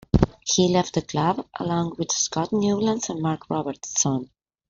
He left the club along with Scott Newlands and Mark Robertson.